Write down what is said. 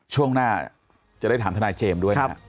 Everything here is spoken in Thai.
ช่วงหน้าจะได้ถามทนายเจมส์ด้วยนะครับ